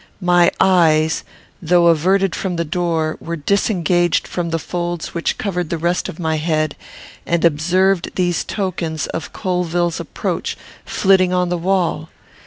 My eyes, though averted from the door, were disengaged from the folds which covered the rest of my head, and observed these tokens of Colvill's approach, flitting on the wall.